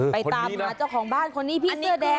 ตามหาเจ้าของบ้านคนนี้พี่เสื้อแดง